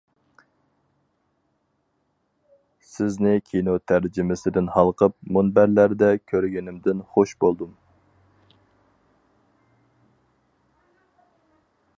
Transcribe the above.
سىزنى كىنو تەرجىمىسىدىن ھالقىپ مۇنبەرلەردە كۆرگىنىمدىن خۇش بولدۇم!